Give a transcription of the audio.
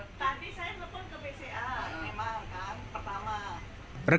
tadi saya telepon ke bca memang kan pertama